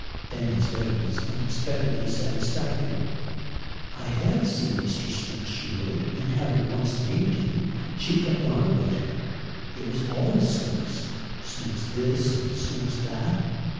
Fanny's letter was unexpectedly satisfactory. "I HAVE seen Mr. Snooks," she wrote, and having once named him she kept on about him; it was all Snooks Snooks this and Snooks that.